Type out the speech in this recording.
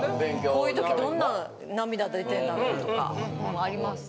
こういう時どんな涙出てんだろうとかあります。